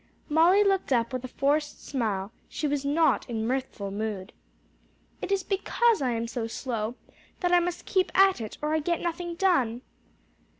Molly looked up with a forced smile: she was not in mirthful mood. "It is because I am so slow that I must keep at it or I get nothing done."